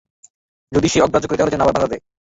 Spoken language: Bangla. যদি সে অগ্রাহ্য করে তাহলে যেন আবারও বাধা দেয়।